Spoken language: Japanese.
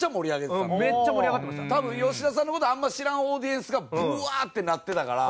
多分吉田さんの事あんまり知らんオーディエンスがぶわってなってたから。